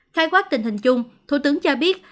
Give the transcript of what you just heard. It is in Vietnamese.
khai quát tình hình chung thủ tướng cho biết